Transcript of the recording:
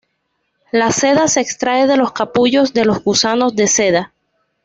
La seda se extrae de los capullos de los gusanos de seda.